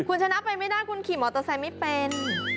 คุณชนะไปไม่ได้คุณขี่มอเตอร์ไซค์ไม่เป็น